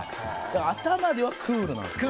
頭ではクールなんですよね。